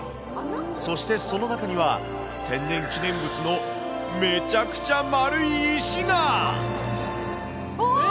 そしてその中には、天然記念物のめちゃくちゃ丸い石が。